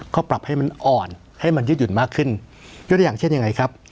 ก็ปรับให้มันอ่อนให้มันยืดหยุ่นมากขึ้นยกอย่างเช่นยังไงครับ